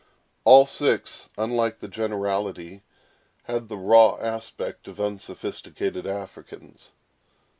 All six, unlike the generality, had the raw aspect of unsophisticated Africans.